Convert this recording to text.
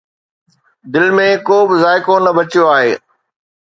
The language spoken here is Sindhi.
دل ۾ ڪو به ذائقو نه بچيو آهي